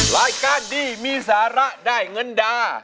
รายการดีมีสาระได้เงินดา